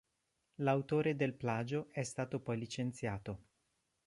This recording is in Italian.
L'autore del plagio è stato poi licenziato.